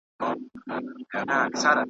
دا بزم ازلي دی تر قیامته به پاتېږي .